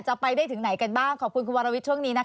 จะไปได้ถึงไหนกันบ้างขอบคุณคุณวรวิทย์ช่วงนี้นะคะ